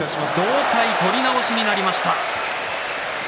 同体取り直しとなりました。